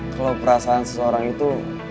kalau perasaan seseorang itu